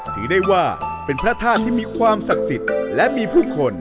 ถือได้ว่าเป็นพระธาตุที่มีความศักดิ์สิทธิ์และมีผู้คน